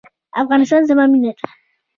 افغانستان زما مینه ده؟